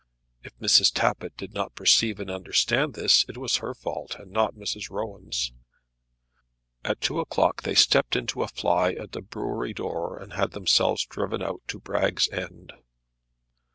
If Mrs. Tappitt did not perceive and understand this, it was her fault, and not Mrs. Rowan's. At two o'clock they stepped into a fly at the brewery door and had themselves driven out to Bragg's End.